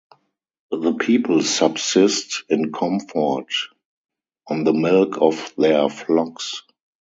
The people subsist in comfort on the milk of their flocks.